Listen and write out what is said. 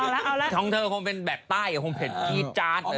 เรามองเป็นแบบใต้มื้อก็เห็นที่จั๊ด